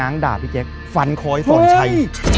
นั่งด่าพี่แจ๊กฟันคอให้สอนชัย